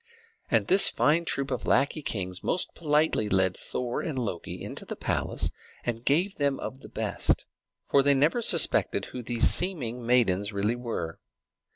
And this fine troop of lackey kings most politely led Thor and Loki into the palace, and gave them of the best, for they never suspected who these seeming maidens really were.